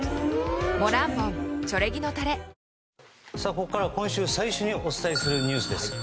ここからは今週最初にお伝えするニュースです。